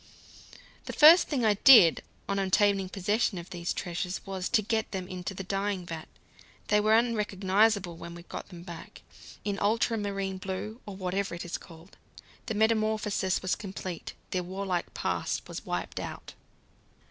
The first thing I did, on obtaining possession of these treasures, was to get them into the dyeing vat. They were unrecognizable when I got them back in ultramarine blue, or whatever it was called. The metamorphosis was complete: their warlike past was wiped out.